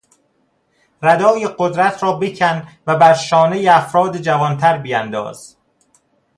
ردای قدرت را بکن و بر شانهی افراد جوانتر بیانداز.